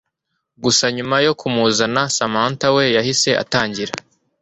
gusa nyuma yo kumuzana Samantha we yahise atangira